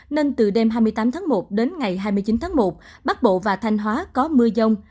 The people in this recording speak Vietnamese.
nên từ đêm hai mươi tám tháng một cho đến ngày hai mươi chín tháng một bắc bộ và thành hóa có mưa rông